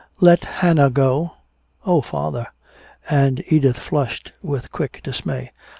"Let Hannah go? Oh, father!" And Edith flushed with quick dismay.